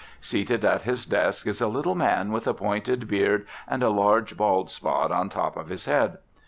Seated at his desk is a little man with a pointed beard and a large bald spot on top of his head.